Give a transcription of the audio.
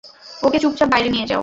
ওকে চুপচাপ বাইরে নিয়ে যাও।